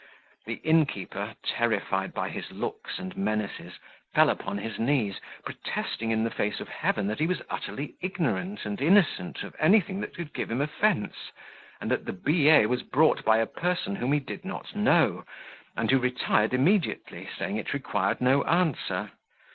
The innkeeper, terrified by his looks and menaces, fell upon his knees, protesting in the face of Heaven that he was utterly ignorant and innocent of anything that could give him offence, and that the billet was brought by a person whom he did not know, and who retired immediately, saying it required no answer.